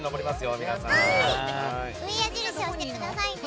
上矢印を押してくださいね。